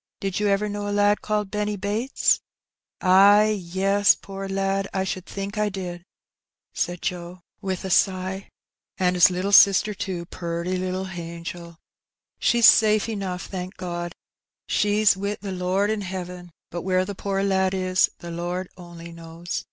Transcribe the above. '' Did you ever know a lad called Benny Bates ?"" Ay, yes, poor lad, I should think I did," said Joe, with 284 Hee Benny. a sigh ;'^ an' his little sister too, purty little hangel ; she's safe enough, thank God. She^s wi' the Lord in heaven^ but where the poor lad is the Lord only knows.